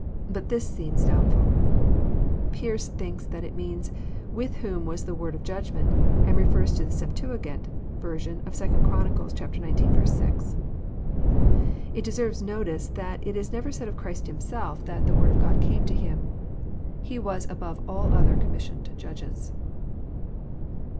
Bat this seems doabtfUL Pearce thinks that it means *' with whom was the word of Judgment," and refers to the Septuagint version of 2 Chron. xix. 6. It deserves notice that it is never said of Christ Himself, that the Word of God came to Him." He was above all other com missioned jadges.